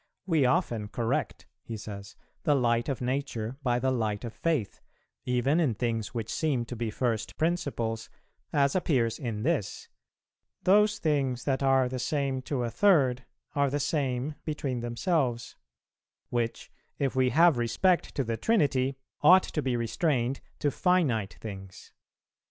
'We often correct,' he says, 'the light of Nature by the light of Faith, even in things which seem to be first principles, as appears in this: those things that are the same to a third, are the same between themselves; which, if we have respect to the Trinity, ought to be restrained to finite things.